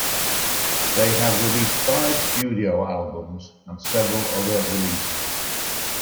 They have released five studio albums and several other releases.